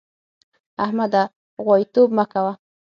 احمده! غواييتوب مه کوه.